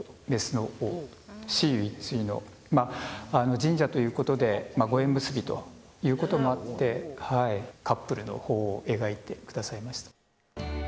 神社ということでご縁結びということもありカップルの鳳凰を描いてくださいました。